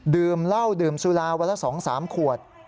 ดื่มเหล้าดื่มสุราวันละ๒๓ขวด